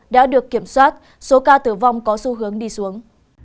đã được kiểm soát số ca tử vong có xu hướng đi xuống